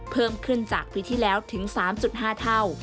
เพิ่มขึ้นจากปีที่แล้วถึง๓๕เท่า